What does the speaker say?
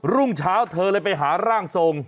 รุ่งเช้าเธอเลยไปหาร่างทรง